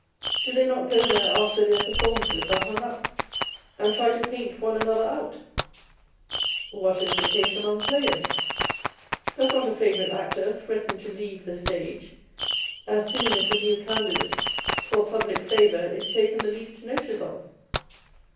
Do they not go there after their performances are hung up, and try to paint one another out f What is the case among players ? Does not a favourite actor threaten to leave the stage, as soon as a new candidate for public 146 On Envy. favour is taken the least notice of